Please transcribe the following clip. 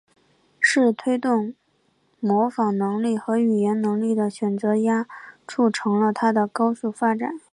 是推动模仿能力和语言能力的选择压促成了它的高速发展。